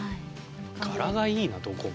柄がいいなどこも。